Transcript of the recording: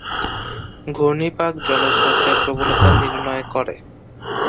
ঘূর্ণিপাক জলস্রোতের প্রবলতা নির্ণয় করে।